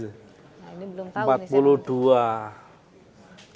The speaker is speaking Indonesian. nah ini belum tau nih empat puluh dua